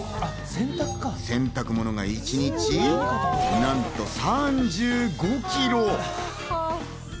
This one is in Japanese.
洗濯物が一日なんと３５ｋｇ！